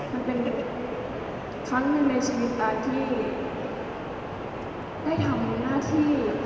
มันเป็นครั้งหนึ่งในชีวิตการที่ได้ทำหน้าที่